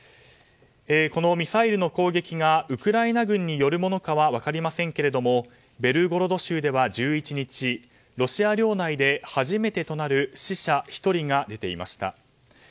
このミサイルの攻撃がウクライナ軍によるものか分かりませんけれどもベルゴロド州では１１日、ロシア領内で初めてとなる死者１人が出ていました。